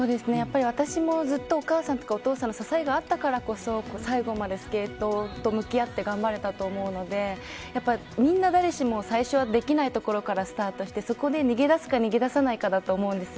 私もずっとお母さんやお父さんの支えがあったからこそ最後までスケートと向き合って頑張れたと思うのでやっぱり、みんな誰しも最初はできないところからスタートしてそこで、逃げ出すか逃げ出さないかだと思うんです。